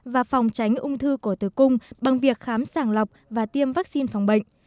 và phòng tránh ung thư cổ tử cung bằng việc khám sàng lọc và tiêm vaccine phòng bệnh